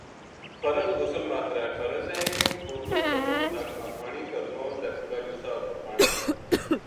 فرض ٖغسل ما ترے فرض ہیں، کرلو کرنو، نک ما پانی کہلنو تے پورا جسا اپر پانی کہلنو